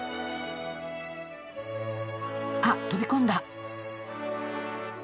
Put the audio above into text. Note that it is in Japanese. あっ飛び込んだ。